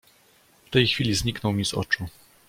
"W tej chwili zniknął mi z oczu."